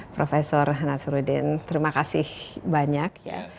prof nasaruddin terima kasih banyak ya